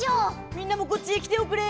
みんなもこっちへきておくれ！